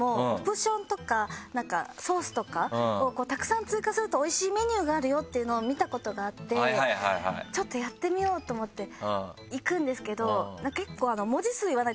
ソースとかをたくさん追加するとおいしいメニューがあるよっていうのを見たことがあってちょっとやってみようと思って行くんですけど結構。